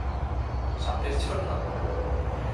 সাপের জন্য?